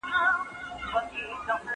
ښايي نقاش کوڼ شوی